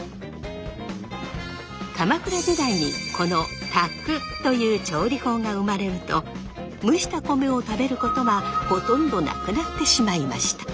鎌倉時代にこの炊くという調理法が生まれると蒸した米を食べることはほとんどなくなってしまいました。